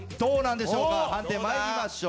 ⁉判定参りましょう。